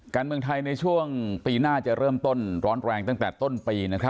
การเมืองไทยในช่วงปีหน้าจะเริ่มต้นร้อนแรงตั้งแต่ต้นปี